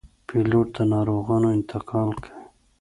پیلوټ د ناروغانو انتقال کوي.